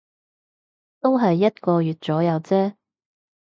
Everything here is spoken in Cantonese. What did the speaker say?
都係一個月左右啫